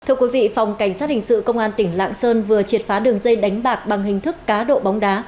thưa quý vị phòng cảnh sát hình sự công an tỉnh lạng sơn vừa triệt phá đường dây đánh bạc bằng hình thức cá độ bóng đá